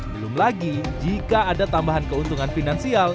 belum lagi jika ada tambahan keuntungan finansial